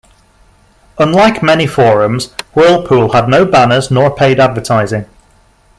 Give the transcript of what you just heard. Unlike many forums, Whirlpool had no banners nor paid advertising.